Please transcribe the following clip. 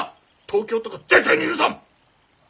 東京とか絶対に許さん！